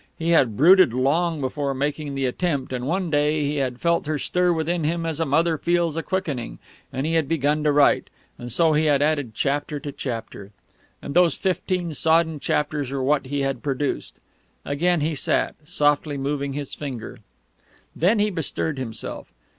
He had brooded long before making the attempt; then one day he had felt her stir within him as a mother feels a quickening, and he had begun to write; and so he had added chapter to chapter.... And those fifteen sodden chapters were what he had produced! Again he sat, softly moving his finger.... Then he bestirred himself.